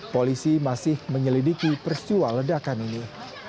polisi masih menyelidiki peristiwa ledakan ini